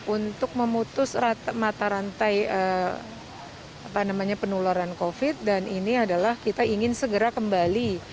untuk memutus mata rantai penularan covid dan ini adalah kita ingin segera kembali